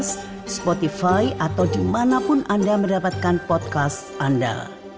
spotify atau dimanapun anda mendapatkan podcast anda